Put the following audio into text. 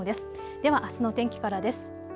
では、あすの天気からです。